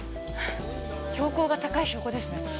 標高が高い証拠ですね。